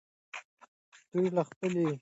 دوی له خپلې خاورې کفري لښکر باسي.